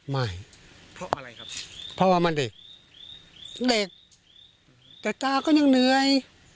ไม่เพราะอะไรครับเพราะว่ามันเด็กเด็กแต่ตาก็ยังเหนื่อย